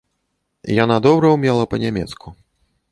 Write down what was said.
І яна добра ўмела па-нямецку.